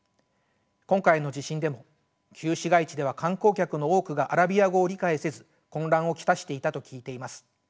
今回の地震でも旧市街地では観光客の多くがアラビア語を理解せず混乱を来していたと聞いています。